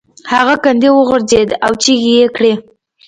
هغه کندې ته وغورځید او چیغې یې کړې.